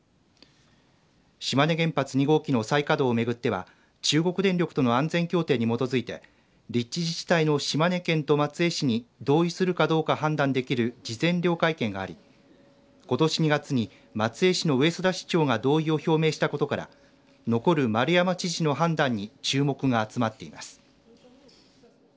島根県原発２号機の再稼働をめぐっては中国電力との安全協定に基づいて立地自治体の島根県と松江市に同意するかどうか判断できる事前了解権があり今年２月に松江市の上定市長が同意を表明したことから残る丸山知事の判断に注目が集まっています。